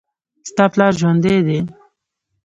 ستا پلار ژوندي دي